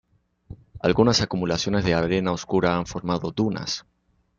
Algunas acumulaciones de arena oscura han formado dunas.